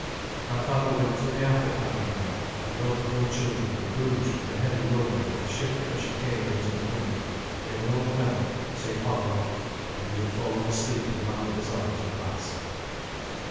My father went to the after cabin now, and though the poor children were bruised with the heavy rolling of the ship as she came into the wind, they were all well save Havelok, and he had fallen asleep in my mother's arms at last.